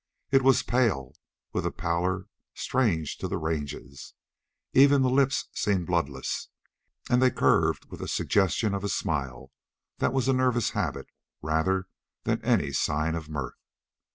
It was pale, with a pallor strange to the ranges; even the lips seemed bloodless, and they curved with a suggestion of a smile that was a nervous habit rather than any sign of mirth.